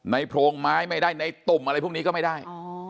โพรงไม้ไม่ได้ในตุ่มอะไรพวกนี้ก็ไม่ได้